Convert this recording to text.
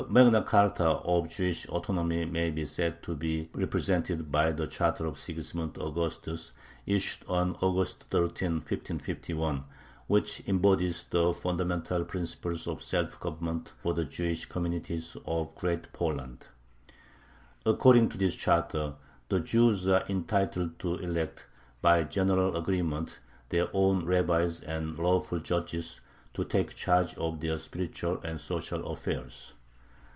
The magna charta of Jewish autonomy may be said to be represented by the charter of Sigismund Augustus, issued on August 13, 1551, which embodies the fundamental principles of self government for the Jewish communities of Great Poland. According to this charter, the Jews are entitled to elect, by general agreement, their own rabbis and "lawful judges" to take charge of their spiritual and social affairs.